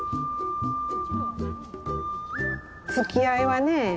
つきあいはね